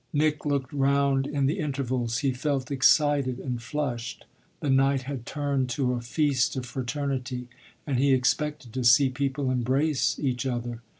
Nick looked round in the intervals; he felt excited and flushed the night had turned to a feast of fraternity and he expected to see people embrace each other.